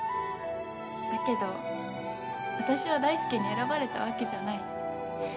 だけど私は大介に選ばれたわけじゃない。